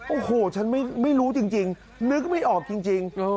โอ้โหฉันไม่รู้จริงนึกไม่ออกจริง